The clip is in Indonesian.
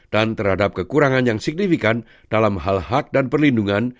dan terhadap kekurangan yang signifikan dalam hal hak dan perlindungan